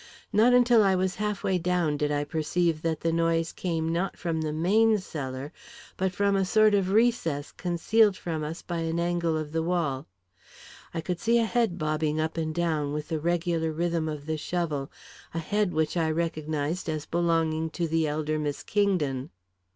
Not until I was half way down, did I perceive that the noise came not from the main cellar, but from a sort of recess concealed from us by an angle of the wall. I could see a head bobbing up and down, with the regular rhythm of the shovel, a head which I recognised as belonging to the elder Miss Kingdon.